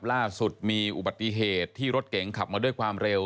ล่าสุดมีอุบัติเหตุที่รถเก๋งขับมาด้วยความเร็ว